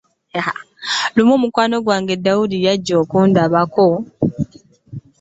Lumu mukwano gwange Dawuda yajja okundabako.